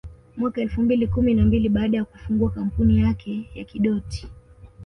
Mwaka elfu mbili kumi na mbili baada ya kufungua kampuni yake ya Kidoti